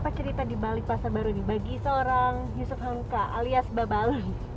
apa cerita di balik pasar baru ini bagi seorang yusuf hamka alias babale